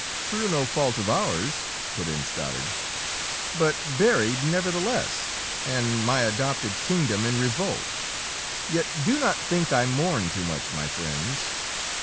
"Through no fault of ours!" put in Stoddard. "But buried nevertheless, and my adopted kingdom in revolt. Yet do not think I mourn too much, my friends.